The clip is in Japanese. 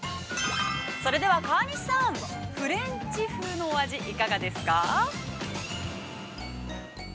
川西さん、フレンチ風のお味はいかがですか？